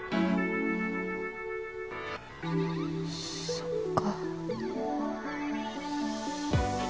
そっか。